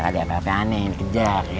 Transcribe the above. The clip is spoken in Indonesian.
ntar dia perempuan nih yang dikejar ya